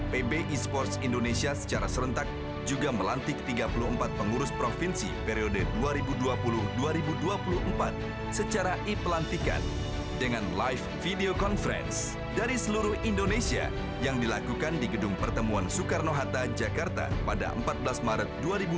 pb esports indonesia secara serentak juga melantik tiga puluh empat pengurus provinsi periode dua ribu dua puluh dua ribu dua puluh empat secara e pelantikan dengan live video conference dari seluruh indonesia yang dilakukan di gedung pertemuan soekarno hatta jakarta pada empat belas maret dua ribu dua puluh